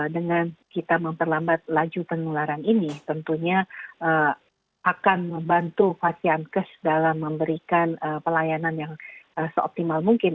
dan kita memperlambat laju penularan ini tentunya akan membantu vatiankes dalam memberikan pelayanan yang seoptimal mungkin